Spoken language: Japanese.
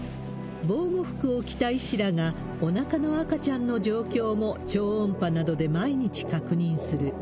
防護服を着た医師らが、おなかの赤ちゃんの状況も、超音波などで毎日確認する。